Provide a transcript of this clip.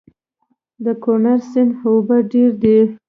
د کونړ سيند اوبه ډېرې دي